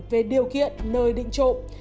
về điều kiện nơi định trộm